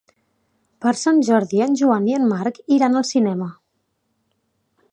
Per Sant Jordi en Joan i en Marc iran al cinema.